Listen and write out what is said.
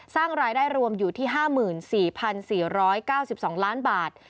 สร้างรายได้รวมอยู่ที่๕๔๔๙๒ล้านบาท